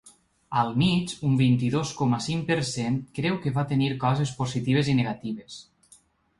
Al mig, un vint-i-dos coma cinc per cent creu que va tenir coses positives i negatives.